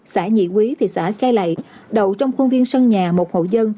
xã nhị quý thị xã cai lậy đầu trong khuôn viên sân nhà một hậu dân